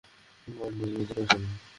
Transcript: পান্ডে জী, এইদিকে আসেন।